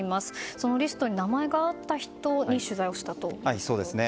そのリストに名前があった人に取材をしたということですね。